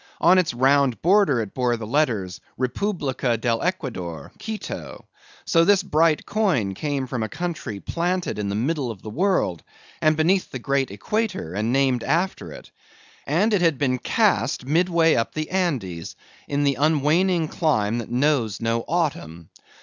On its round border it bore the letters, REPUBLICA DEL ECUADOR: QUITO. So this bright coin came from a country planted in the middle of the world, and beneath the great equator, and named after it; and it had been cast midway up the Andes, in the unwaning clime that knows no autumn.